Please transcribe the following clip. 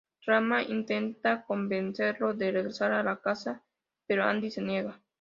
Rama intenta convencerlo de regresar a la casa, pero Andi se niega.